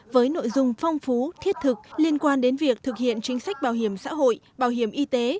với nội dung phong phú thiết thực liên quan đến việc thực hiện chính sách bảo hiểm xã hội bảo hiểm y tế